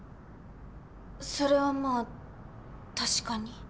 それはまあ確かに。